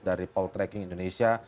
dari poltreking indonesia